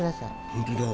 本当だ。